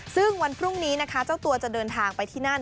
ซึ่งวันพรุ่งนี้นะคะเจ้าตัวจะเดินทางไปที่นั่น